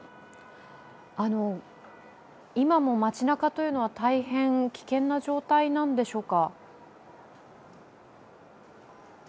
今も町なかというのは大変危険な状態なんでしょうか？